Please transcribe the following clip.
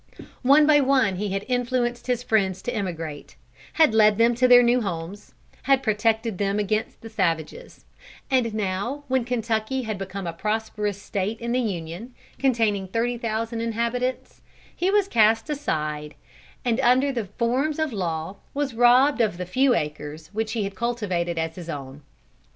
One by one he had influenced his friends to emigrate, had led them to their new homes, had protected them against the savages, and now when Kentucky had become a prosperous State in the Union, containing thirty thousand inhabitants, he was cast aside, and under the forms of law was robbed of the few acres which he had cultivated as his own.